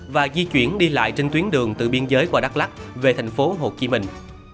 và di chuyển đi lại trên tuyến đường từ biên giới qua đắk lắc về thành phố hồ chí minh